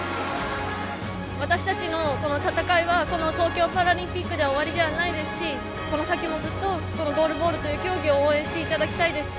私たちのこの戦いは東京パラリンピックで終わりではないですしこの先もずっとこのゴールボールという競技を応援していただきたいですし